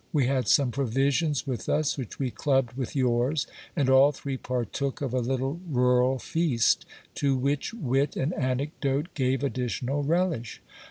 We had some provisions with us which we clubbed with yours, and all three partook of a little rural feast, to which wit and anecdote gave additional relish.